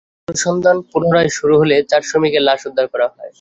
আজ সকালে অনুসন্ধান পুনরায় শুরু হলে চার শ্রমিকের লাশ উদ্ধার করা হয়।